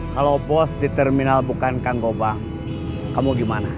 halo bos di terminal bukan kang goba kamu gimana